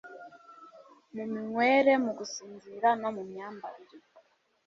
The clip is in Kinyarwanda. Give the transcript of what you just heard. mu minywere mu gusinzira no mu myambarire